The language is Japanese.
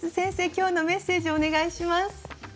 今日のメッセージをお願いします。